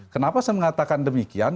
kenapa saya mengatakan demikian